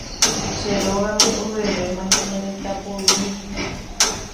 Che rógape ovevéma ñane retã poyvi